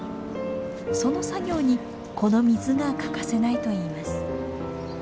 その作業にこの水が欠かせないと言います。